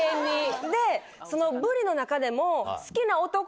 でそのブリの中でも。